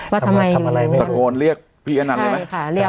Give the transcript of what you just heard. ว่าทำไมอยู่อยู่ตะโกรธเรียกพี่ชนะเลยมั้ย